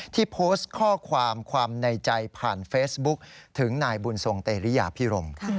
ที่โพสต์ข้อความความในใจผ่านเฟซบุ๊กถึงนายบุญทรงเตรียพิรม